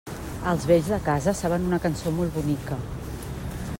Els vells de casa saben una cançó molt bonica.